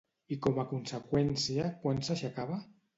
I com a conseqüència quan s'aixecava?